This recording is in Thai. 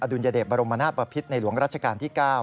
ดุลยเดชบรมนาศปภิษในหลวงรัชกาลที่๙